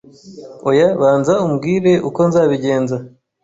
Oya banza umbwire uko nzabigenza